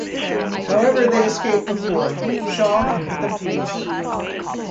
However, they escape before Shaw can put them to use.